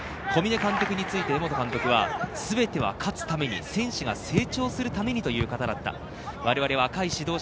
小嶺監督について江本監督は、全ては勝つために選手が成長するためにという方だった。